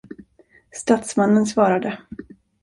Statsmannen svarade.